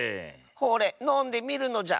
ほれのんでみるのじゃ。